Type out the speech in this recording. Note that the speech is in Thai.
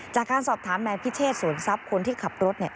จากการสอบถามนายพิเชษสวนทรัพย์คนที่ขับรถ